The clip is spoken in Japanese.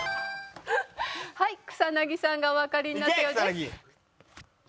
はい草薙さんがおわかりになったようです。